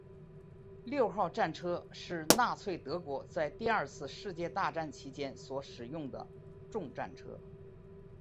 六号战车是纳粹德国在第二次世界大战期间所使用的重战车。